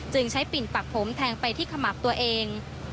จึงใช้ปิ่นปักผมแทงไปที่ขมับตัวเอง